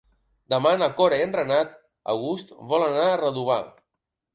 Demà na Cora i en Renat August volen anar a Redovà.